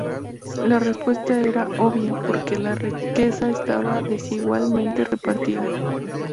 La respuesta era obvia: porque la riqueza estaba desigualmente repartida.